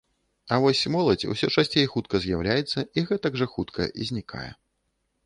А вось моладзь усё часцей хутка з'яўляецца і гэтак жа хутка знікае.